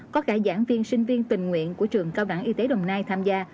có cả giảng viên sinh viên tình nguyện của trường cao đẳng y tế đồng nai tham gia